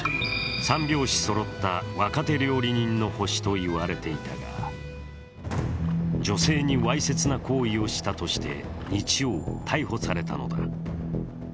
３拍子そろった若手料理人の星といわれていたが女性にわいせつな行為をしたとして、日曜逮捕されたのだ。